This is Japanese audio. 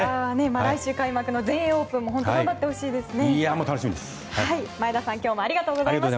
来週開幕の全英オープンも本当、頑張ってほしいですね。